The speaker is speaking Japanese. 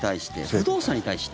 不動産に対して？